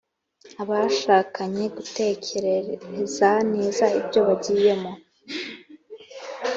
Abashakanye gutekereza neza ibyo bagiyemo